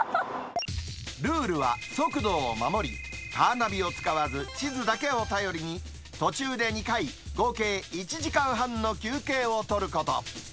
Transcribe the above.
ルールは速度を守り、カーナビを使わず、地図だけを頼りに途中で２回、合計１時間半の休憩をとること。